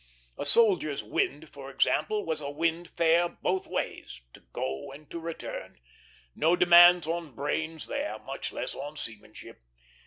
A soldier's wind, for example, was a wind fair both ways to go and to return; no demands on brains there, much less on seamanship.